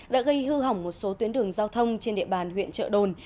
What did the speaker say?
đã gây hư hỏng một số tuyến đường giao thông trên địa bàn huyện trợ đồn